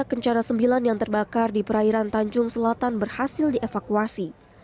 kencana sembilan yang terbakar di perairan tanjung selatan berhasil dievakuasi